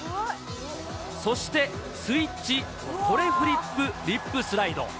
そしてスイッチトレフリップリップスライド。